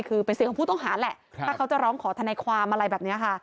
คือเป็นเสียงของผู้ต้องหาแหละถ้าเขาจะร้องขอทนายความอะไรแบบนี้ค่ะ